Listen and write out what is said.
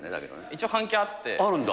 一応関係あって。